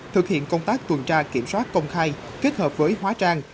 thực hiện công tác tuần tra kiểm soát công khai kết hợp với hóa trang